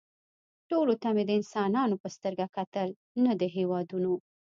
ټولو ته مې د انسانانو په سترګه کتل نه د هېوادونو